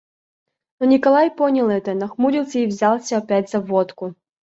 Но Николай понял это, нахмурился и взялся опять за водку.